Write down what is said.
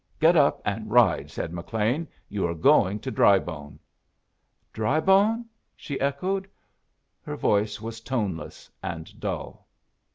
"Get up and ride," said McLean. "You are going to Drybone." "Drybone?" she echoed. Her voice was toneless and dull.